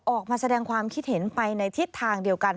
ออกมาแสดงความคิดเห็นไปในทิศทางเดียวกัน